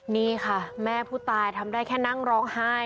นี่ค่ะแม่ผู้ตายทำได้แค่นั่งร้องไห้